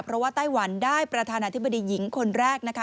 เพราะว่าไต้หวันได้ประธานาธิบดีหญิงคนแรกนะคะ